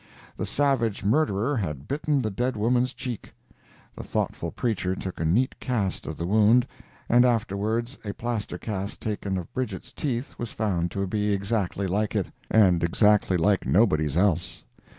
The savage murderer had bitten the dead woman's cheek. The thoughtful preacher took a neat cast of the wound, and, afterwards, a plaster cast taken of Bridget's teeth was found to be exactly like it, and exactly like nobody's else.